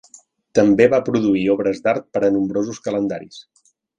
També va produir obres d'art per a nombrosos calendaris.